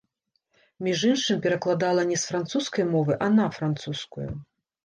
Між іншым, перакладала не з французскай мовы, а на французскую.